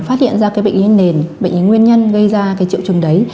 phát hiện ra cái bệnh yên nền bệnh yên nguyên nhân gây ra cái triệu chứng đấy